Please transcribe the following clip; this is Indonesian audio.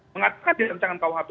mengatakan di racangan kuhp